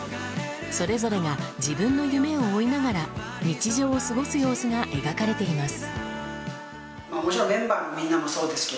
それぞれが自分の夢を追いながら日常を過ごす様子が描かれています。